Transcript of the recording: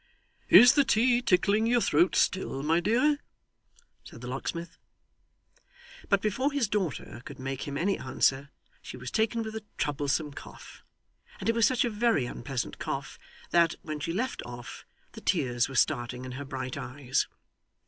'Is the tea tickling your throat still, my dear?' said the locksmith. But, before his daughter could make him any answer, she was taken with a troublesome cough, and it was such a very unpleasant cough, that, when she left off, the tears were starting in her bright eyes.